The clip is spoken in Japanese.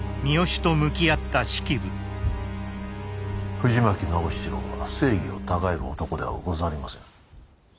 藤巻直七郎は正義をたがえる男ではござりませぬ。